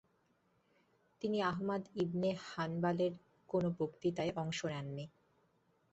তিনি Ahmad ibn হানবালের কোনো বক্তৃতায় অংশ নেননি।